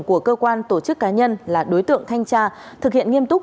của cơ quan tổ chức cá nhân là đối tượng thanh tra thực hiện nghiêm túc